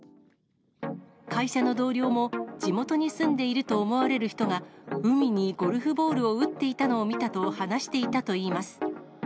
会社の同僚も、地元に住んでいると思われる人が、海にゴルフボールを打っていたのを見たと話していたといいます。